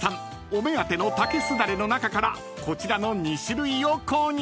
お目当ての竹すだれの中からこちらの２種類を購入］